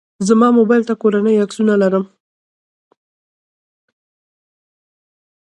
زما موبایل ته کورنۍ عکسونه لرم.